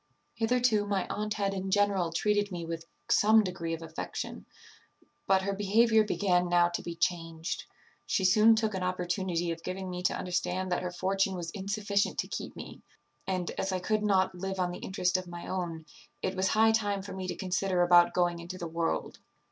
"Hitherto my aunt had in general treated me with some degree of affection; but her behaviour began now to be changed. She soon took an opportunity of giving me to understand that her fortune was insufficient to keep me; and, as I could not live on the interest of my own, it was high time for me to consider about going into the world.